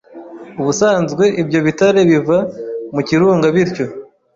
Ubusanzwe ibyo bitare biva mu kirunga bityo